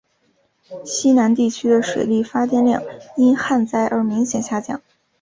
西南地区的水力发电量因旱灾而明显下降。